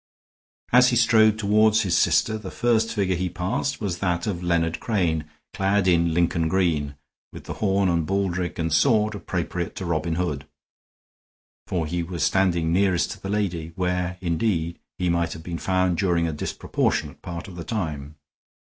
As he strode toward his sister the first figure he passed was that of Leonard Crane, clad in Lincoln green, with the horn and baldrick and sword appropriate to Robin Hood; for he was standing nearest to the lady, where, indeed, he might have been found during a disproportionate part of the time.